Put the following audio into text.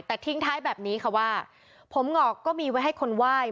แต่ทิ้งท้ายแบบนี้ค่ะว่าผมงอกก็มีไว้ให้คนไหว้